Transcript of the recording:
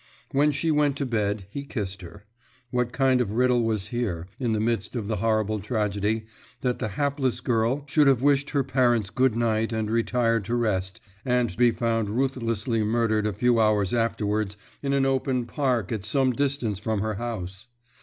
When she went to bed, he kissed her. What kind of riddle was here, in the midst of the horrible tragedy, that the hapless girl should have wished her parents good night and retired to rest, and be found ruthlessly murdered a few hours afterwards in an open park at some distance from her house?